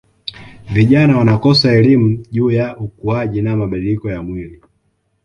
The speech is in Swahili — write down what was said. Vijana wanakosa elimu juu ya ukuaji na mabadiliko ya mwili